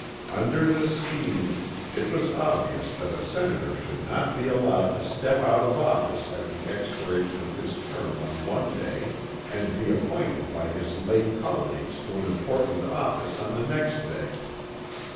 Under this scheme it was obvious that a Senator should not be allowed to step out of office at the expiration of his term on one day and be appointed by his late colleagues to an important office on the next day.